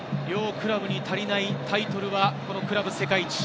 両クラブに足りないタイトルはクラブ世界一。